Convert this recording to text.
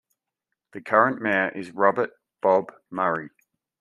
The current mayor is Robert "Bob" Murray.